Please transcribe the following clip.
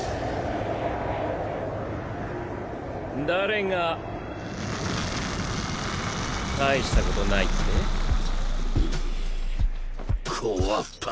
誰が大したことないって？